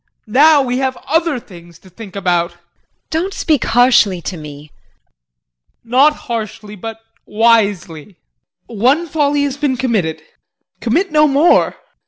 Now we have other things to think about. JULIE. Don't speak harshly to me. JEAN. Not harshly, but wisely. One folly has been committed commit no more.